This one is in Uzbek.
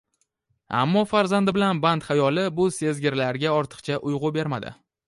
Ammo farzandi bilan band xayoli bu sezgilarga ortiqcha urg`u bermadi